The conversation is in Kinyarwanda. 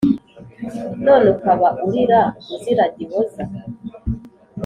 none ukaba urira uzira gihoza